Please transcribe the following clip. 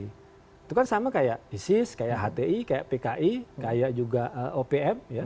itu kan sama kayak isis kayak hti kayak pki kayak juga opm ya